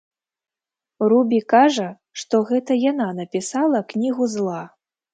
Рубі кажа, што гэта яна напісала кнігу зла.